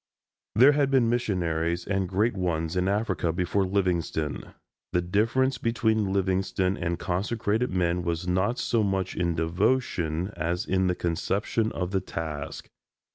There had been missionaries, and great ones, in Africa before Livingstone. The difference between Livingstone and consecrated men was not so much in devotion as in the conception of the task.